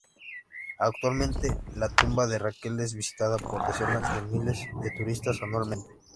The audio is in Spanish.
Actualmente, la tumba de Raquel es visitada por decenas de miles de turistas anualmente.